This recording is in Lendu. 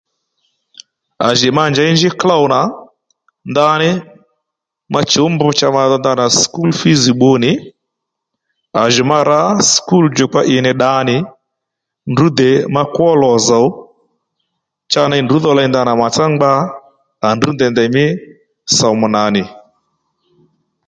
À jì ma njěy njí klôw nà ndaní ma chǔw mbr cha madho nadanà school fiz bbu nì à jì ma rǎ skul djòkpa ì nì ddǎ nì ndrǔ dè makwó lòzòw cha ney ndrǔ dho ley ndanà màtsá ngba à ndrŕ ndèy ndèymí somu nà nì